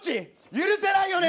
許せないよね！